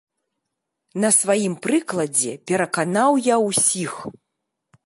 На сваім прыкладзе пераканаў я ўсіх.